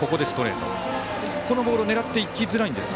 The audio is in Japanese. このボールを狙っていきづらいんですか。